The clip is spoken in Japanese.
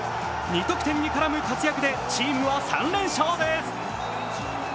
２得点に絡む活躍でチームは３連勝です。